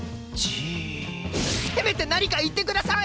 せめて何か言ってください！